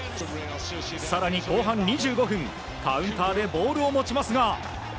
更に後半２５分、カウンターでボールを持ちますが。